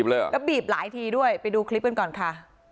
แล้วบีบหลายทีด้วยไปดูคลิปกันก่อนค่ะ